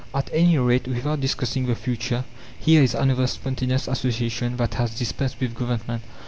At any rate, without discussing the future, here is another spontaneous association that has dispensed with Government.